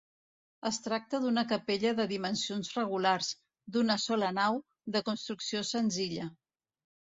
Es tracta d'una capella de dimensions regulars, d'una sola nau, de construcció senzilla.